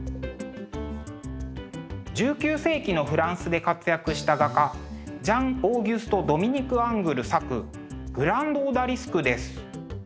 １９世紀のフランスで活躍した画家ジャン＝オーギュスト＝ドミニク・アングル作「グランド・オダリスク」です。